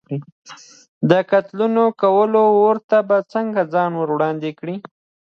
د قاتلانو د ګولیو اور ته به څنګه ځان ور وړاندې کړي.